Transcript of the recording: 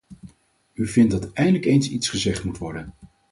U vindt dat eindelijk eens iets gezegd moet worden.